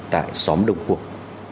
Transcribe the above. tại xóm đông khuông